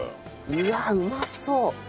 うわっうまそう！